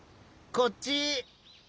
こっち！